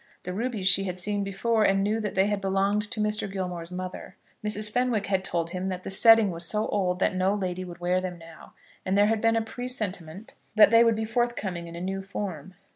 The rubies she had seen before, and knew that they had belonged to Mr. Gilmore's mother. Mrs. Fenwick had told him that the setting was so old that no lady could wear them now, and there had been a presentiment that they would be forthcoming in a new form.